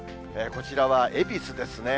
こちらは恵比寿ですね。